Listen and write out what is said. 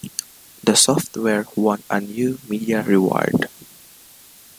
The software won a New Media Award.